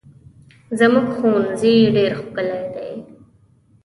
زموږ ښوونځی ډېر ښکلی دی.